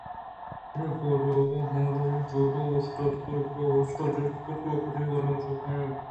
آئی ءِ پاد آہگ ءِ ہمرائی ءَ فریڈا اوشتات گڑا ماسٹر ءَ جست کُت کہ آکدی وانگجاہ ءَ کاینت